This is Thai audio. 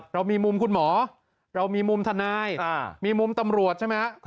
เรามีมุมคุณหมอเรามีมุมทนายมีมุมตำรวจใช่ไหมฮะ